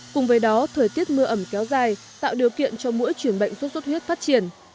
cùng với đó thời tiết mưa ẩm kéo dài tạo điều kiện cho mũi chuyển bệnh sốt huyết phát triển